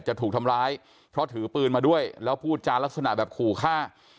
จะถูกทำร้ายเพราะถือปืนมาด้วยแล้วพูดจานลักษณะแบบขู่ฆ่า